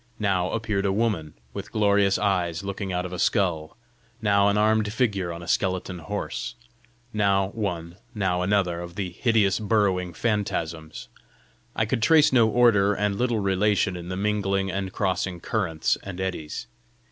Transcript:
Now appeared a woman, with glorious eyes looking out of a skull; now an armed figure on a skeleton horse; now one now another of the hideous burrowing phantasms. I could trace no order and little relation in the mingling and crossing currents and eddies.